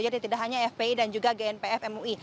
jadi tidak hanya fpi dan juga gnpf mui